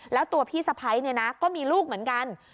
แล้วตัวพี่สะพ้ายเนี่ยนะก็มีลูกเหมือนกัน